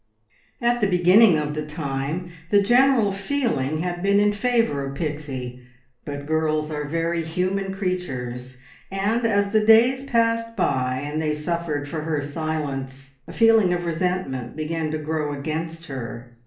At the beginning of the time the general feeling had been in favour of Pixie, but girls are very human creatures, and as the days passed by and they suffered for her silence, a feeling of resentment began to grow against her.